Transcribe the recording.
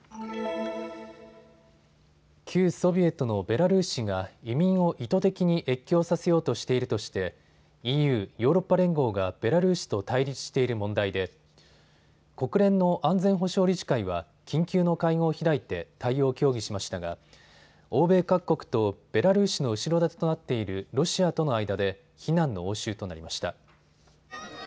旧ソビエトのベラルーシが移民を意図的に越境させようとしているとしてＥＵ・ヨーロッパ連合がベラルーシと対立している問題で国連の安全保障理事会は緊急の会合を開いて対応を協議しましたが、欧米各国とベラルーシの後ろ盾となっているロシアとの間で非難の応酬となりました。